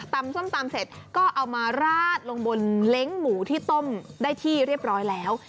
ส้มตำเสร็จก็เอามาราดลงบนเล้งหมูที่ต้มได้ที่เรียบร้อยแล้ว